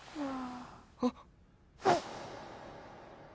あっ。